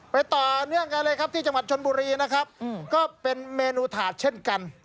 ต่อเนื่องกันเลยครับที่จังหวัดชนบุรีนะครับก็เป็นเมนูถาดเช่นกัน